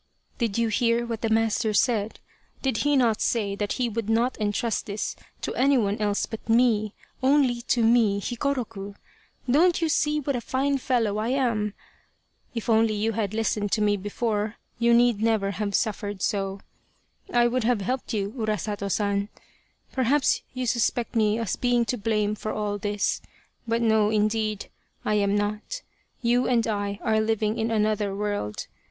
" Did you hear what the master said ? Did he not say that he would not entrust this to anyone else but me only to me Hikoroku don't you see what a fine fellow I am ? If only you had listened to me before you need never have suffered so I would have helped you, Urasato San ! Perhaps you suspect me as being to blame for all this ; but no indeed, I am not you and I are living in another world.